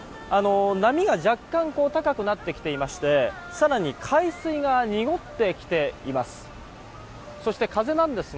波が若干高くなってきていまして更に海水が濁ってきています。